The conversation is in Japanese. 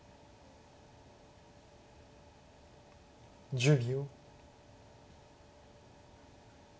１０秒。